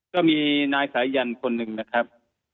ก็มีนายสายันคนหนึ่งนะครับ